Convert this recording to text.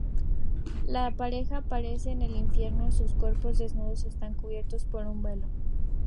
La pareja aparece en el Infierno, sus cuerpos desnudos están cubiertos por un velo.